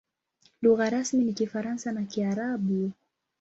Lugha rasmi ni Kifaransa na Kiarabu.